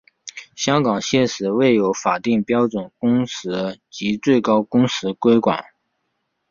香港现时未有法定标准工时及最高工时规管。